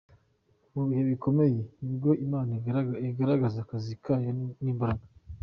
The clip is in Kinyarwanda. Mu bihe bikomeye nibwo Imana igaragaza akazi kayo n’imbaraga”.